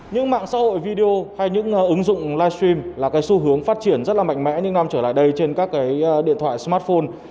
những mạng xã hội video hay những ứng dụng livestream là cái xu hướng phát triển rất là mạnh mẽ những năm trở lại đây trên các cái điện thoại smartphone